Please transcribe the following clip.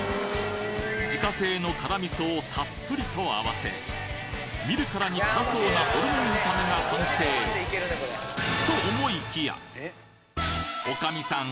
自家製の辛味噌をたっぷりと合わせ見るからに辛そうなホルモン炒めが完成女将さん